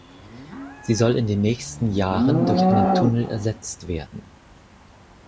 Sie soll in den nächsten Jahren durch einen Tunnel ersetzt werden.